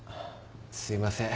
すいません。